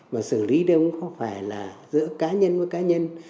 mà xử lý đây không phải là giữa cá nhân với cá nhân